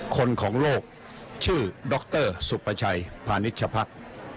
คนของโลกชื่อดรสุปชัยพาณิชภักษ์